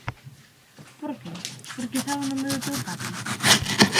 Por que, porque sabe o nome do teu papi?